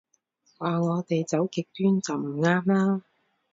話我哋走極端就唔啱啦